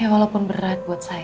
walaupun berat buat saya